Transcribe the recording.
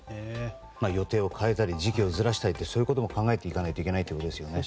予定を変えたり時期をずらしたりそういうことも考えていかないといけないということですね。